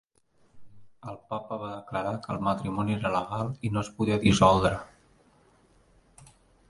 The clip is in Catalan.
El papa va declarar que el matrimoni era legal i no es podia dissoldre.